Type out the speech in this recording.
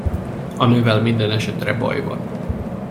A nővel mindenesetre baj van.